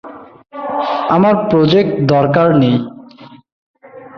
আমার প্রজেক্টরের দরকার নেই।